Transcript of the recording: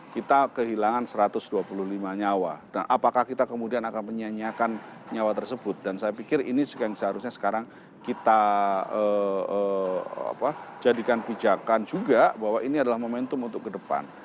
kita kehilangan satu ratus dua puluh lima nyawa dan apakah kita kemudian akan menyanyiakan nyawa tersebut dan saya pikir ini juga yang seharusnya sekarang kita jadikan bijakan juga bahwa ini adalah momentum untuk ke depan